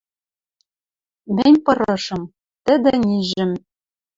Мӹнь пырышым. Тӹдӹ нижӹм